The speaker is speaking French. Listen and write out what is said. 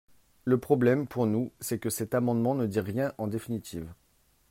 Le problème, pour nous, c’est que cet amendement ne dit rien en définitive.